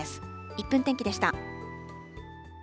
１分天気でした。